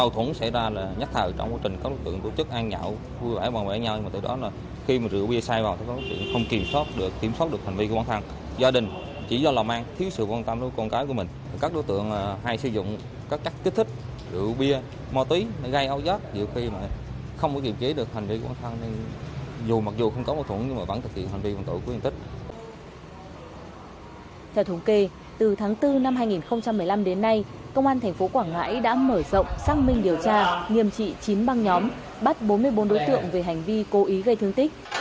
từ tháng bốn năm hai nghìn một mươi năm đến nay công an thành phố quảng ngãi đã mở rộng xác minh điều tra nghiêm trị chín băng nhóm bắt bốn mươi bốn đối tượng về hành vi cố ý gây thương tích